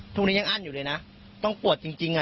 ทุกวันนี้ยังอั้นอยู่เลยนะต้องปวดจริงจริงอ่ะ